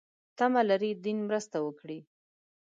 تمه لري دین مرسته وکړي.